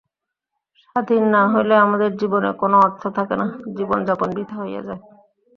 স্বাধীন না হইলে আমাদের জীবনে কোন অর্থ থাকে না, জীবনযাপন বৃথা হইয়া যায়।